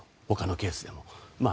他のケースでも。